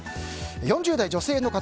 ４０代女性の方。